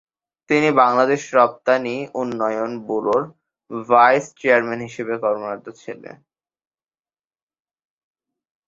তিনি বাংলাদেশ রপ্তানি উন্নয়ন ব্যুরোর ভাইস চেয়ারম্যান হিসেবে কর্মরত ছিলেন।